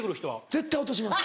絶対落とします。